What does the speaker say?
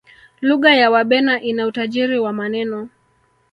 lugha ya wabena ina utajiri wa maneno